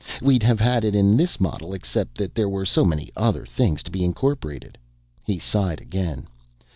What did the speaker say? We'd have had it in this model except there were so many other things to be incorporated." He sighed again.